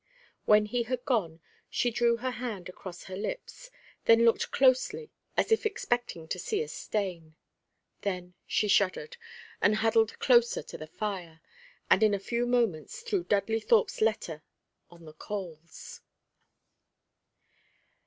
When he had gone, she drew her hand across her lips, then looked closely at it as if expecting to see a stain. Then she shuddered, and huddled closer to the fire, and in a few moments threw Dudley Thorpe's letter on the coals.